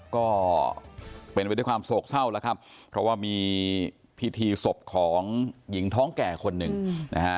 ก็เป็นไปด้วยความโศกเศร้าแล้วครับเพราะว่ามีพิธีศพของหญิงท้องแก่คนหนึ่งนะฮะ